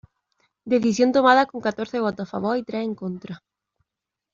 Decisión tomada con catorce votos a favor y tres en contra.